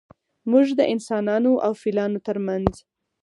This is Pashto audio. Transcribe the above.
موږ د انسانانو او فیلانو ترمنځ